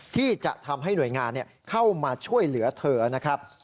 ที่จะทำให้หน่วยงานเข้ามาช่วยเหลือเธอนะครับ